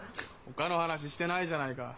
ほかの話してないじゃないか。